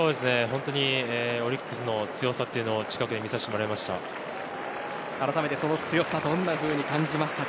本当にオリックスの強さを近くで見させてもらいました。